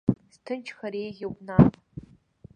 Сҭынчхар еиӷьуп наҟ.